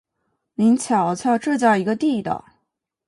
您瞧瞧，这叫一个地道！